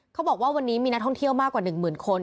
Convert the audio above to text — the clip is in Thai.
เขาบอกว่าวันนี้มีนักท่องเที่ยวมากกว่า๑หมื่นคน